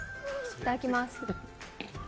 いただきます。